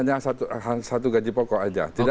untuk pns hanya satu gaji pokok saja